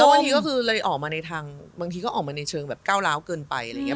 บางทีก็คือเลยออกมาในทางบางทีก็ออกมาในเชิงแบบก้าวร้าวเกินไปอะไรอย่างนี้